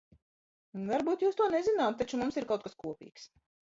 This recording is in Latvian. Varbūt jūs to nezināt, taču mums ir kaut kas kopīgs.